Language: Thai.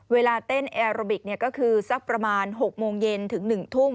เวลาเต้นแอโรบิกก็คือสักประมาณ๖โมงเย็นถึง๑ทุ่ม